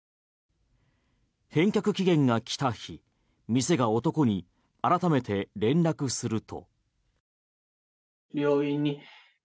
返却期限が来た日店が男に改めて連絡すると。